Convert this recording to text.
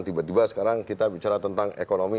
tiba tiba sekarang kita bicara tentang ekonomi